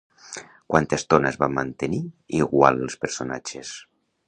Quanta estona es van mantenir igual els personatges?